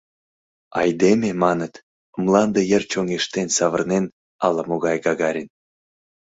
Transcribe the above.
Айдеме, маныт, мланде йыр чоҥештен савырнен, ала-могай Гагарин.